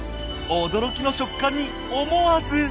驚きの食感に思わず。